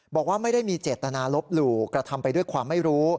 บอกว่าไม่ได้มีเจตนาลบหลู่กระทำไปด้วยความไม่รู้